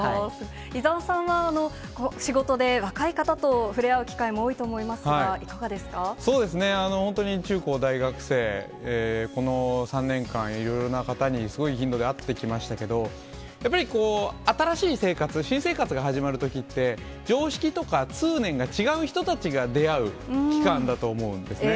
伊沢さんは仕事で若い方と触れ合う機会も多いと思いますが、そうですね、本当に中高大学生、この３年間、いろいろな方にすごい頻度で会ってきましたけど、やっぱり新しい生活、新生活が始まるときって、常識とか通念が違う人たちが出会う期間だと思うんですね。